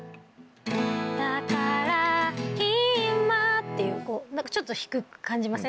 だからいまっていう何かちょっと低く感じません？